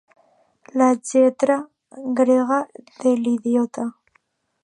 La lletra grega de l'idiota.